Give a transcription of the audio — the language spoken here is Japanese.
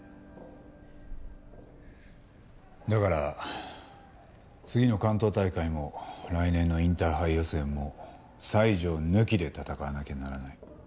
だから次の関東大会も来年のインターハイ予選も西条抜きで戦わなきゃならない。